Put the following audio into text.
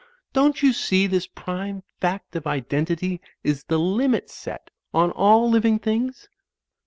Don't you see this prime fact of identity is the limit set on all living things?"